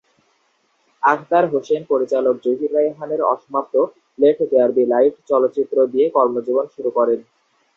আখতার হোসেন পরিচালক জহির রায়হানের অসমাপ্ত "লেট দেয়ার বি লাইট" চলচ্চিত্র দিয়ে কর্মজীবন শুরু করেন।